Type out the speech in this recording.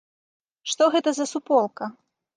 Што гэта за суполка?